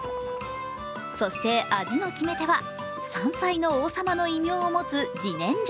そして、味の決め手は山菜の王様の異名を持つ自然薯。